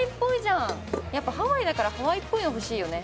やっぱハワイだからハワイっぽいの欲しいよね。